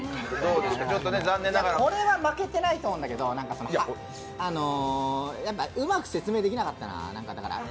これは負けてないと思うんだけどやっぱうまく説明できなかったな。